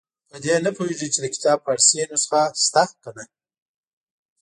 په دې نه پوهېږي چې د کتاب فارسي نسخه شته که نه.